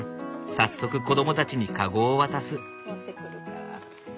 早速子どもたちに籠を渡す。